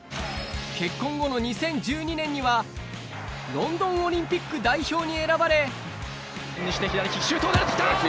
結婚後の２０１２年にはロンドンオリンピック代表に選ばれシュートを狙って来た！